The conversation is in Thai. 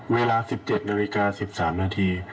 เวลา๑๗นาฬิกา๑๓นาที